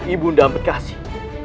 ibu anda berkasih